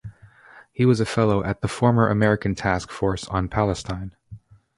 He was a Fellow at the former American Task Force on Palestine.